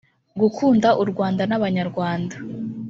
gukunda u rwanda n abanyarwanda